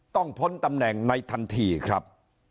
พ้นตำแหน่งในทันทีครับ